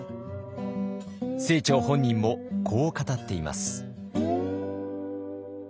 清張本人もこう語っています。